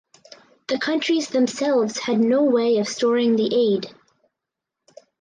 The countries themselves had no way of storing the aid.